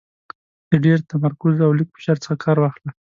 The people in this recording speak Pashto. د ډېر تمرکز او لږ فشار څخه کار واخله .